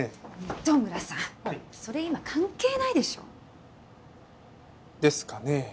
糸村さんそれ今関係ないでしょ！ですかね。